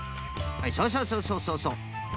はいそうそうそうそうそうそう。